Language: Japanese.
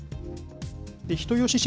人吉市